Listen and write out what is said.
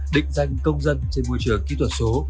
định danh công dân trên môi trường kỹ thuật số